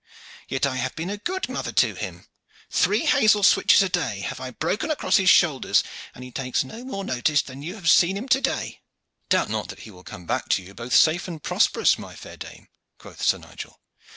Yet I have been a good mother to him. Three hazel switches a day have I broke across his shoulders, and he takes no more notice than you have seen him to day." "Doubt not that he will come back to you both safe and prosperous, my fair dame," quoth Sir Nigel.